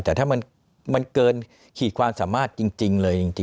แต่ถ้ามันเกินขีดความสามารถจริงเลยจริง